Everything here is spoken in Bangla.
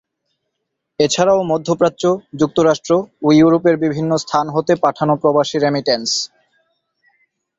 এছাড়াও মধ্যপ্রাচ্য, যুক্তরাষ্ট্র ও ইউরোপের বিভিন্ন স্থান হতে পাঠানো প্রবাসী রেমিটেন্স।